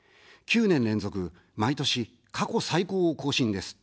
９年連続、毎年、過去最高を更新です。